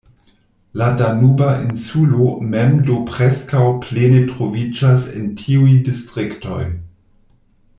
La Danuba Insulo mem do preskaŭ plene troviĝas en tiuj distriktoj.